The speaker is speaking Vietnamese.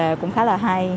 rất là đề cũng khá là hay